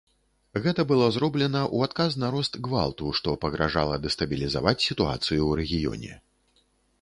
Гэта было зроблена ў адказ на рост гвалту, што пагражала дэстабілізаваць сітуацыю ў рэгіёне.